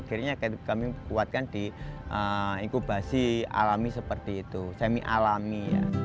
akhirnya kami kuatkan di inkubasi alami seperti itu semi alami ya